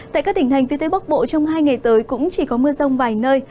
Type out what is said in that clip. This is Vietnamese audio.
tại các tỉnh thành phía tây bắc bộ trong hai ngày tới cũng chỉ có mưa rông vài nơi